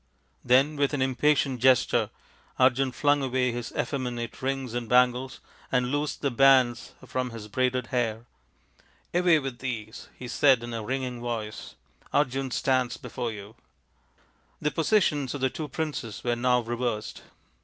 Then with an impatient gesture Arjun flung away his effeminate rings and bangles and loosed the bands from his braided hair. " Away with these," he said in a ringing voice, " Arjun stands before you !" The positions of the two princes were now reversed.